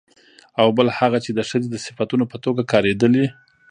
او بل هغه چې د ښځې د صفتونو په توګه کارېدلي